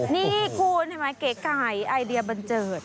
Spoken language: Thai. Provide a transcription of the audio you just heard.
นี่คุณเก๋ไอเดียบันเจิด